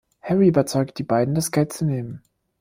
Harry überzeugt die beiden, das Geld zu nehmen.